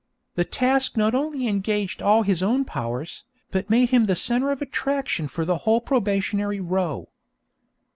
The task not only engaged all his own powers, but made him the centre of attraction for the whole probationary row.